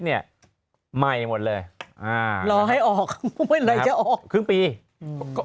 เนี่ยใหม่หมดเลยอ่าลองให้ออกก็เป็นอะไรก็ออกครึ่งปีก็